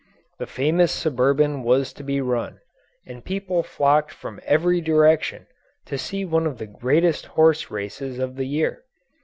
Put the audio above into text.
The famous Suburban was to be run, and people flocked from every direction to see one of the greatest horse races of the year.